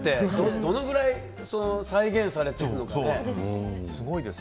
どのくらい再現されているのかね。